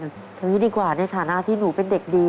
อย่างนี้ดีกว่าในฐานะที่หนูเป็นเด็กดี